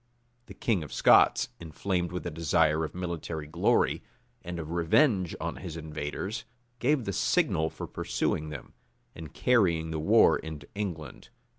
[] The king of Scots, inflamed with a desire of military glory, and of revenge on his invaders, gave the signal for pursuing them, and carrying the war into England.